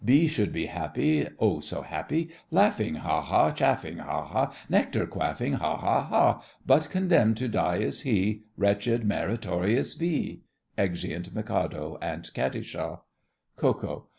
B should be happy! Oh, so happy! Laughing, Ha! ha! Chaffing, Ha! ha! Nectar quaffing, Ha! ha! ha! But condemned to die is he, Wretched meritorious B! [Exeunt Mikado and Katisha. KO.